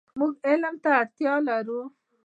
مونږ علم ته اړتیا لرو .